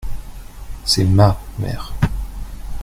C'est ma mère.